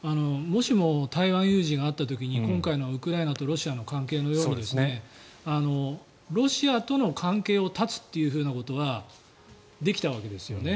もしも台湾有事があった時に今回のウクライナとロシアの関係のようにロシアとの関係を断つということはできたわけですよね。